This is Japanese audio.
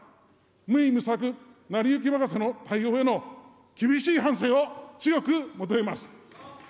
無為無策、成り行き任せの対応への厳しい反省を強く求めます。